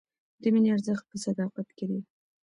د مینې ارزښت په صداقت کې دی.